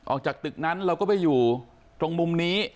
ออกจากตึกนั้นเราก็ไปอยู่ตรงมุมนี้